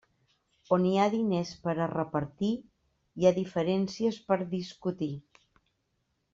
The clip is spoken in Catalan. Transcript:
On hi ha diners per a repartir, hi ha diferències per discutir.